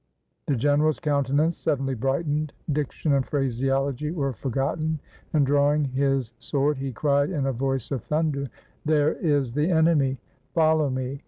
The general's countenance suddenly brightened — diction and phraseology were forgotten ; and drawing his sword, he cried in a voice of thunder — "There is the enemy! Follow me!"